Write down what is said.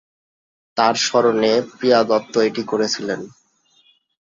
তাঁর স্মরণে প্রিয়া দত্ত এটি করেছিলেন।